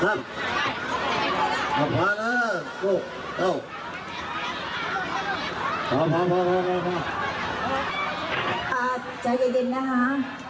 ครับพอพอแล้วโห้ยพอทียาเย็นนะฮะ